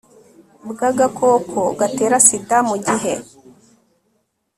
bw agakoko gatera sida mu gihe